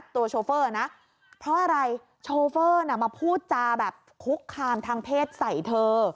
โชเฟอร์นะเพราะอะไรโชเฟอร์น่ะมาพูดจาแบบคุกคามทางเพศใส่เธอ